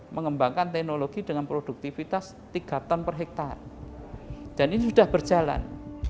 mengembangkan teknologi dengan produktivitas tiga ton per hektare dan ini sudah berjalan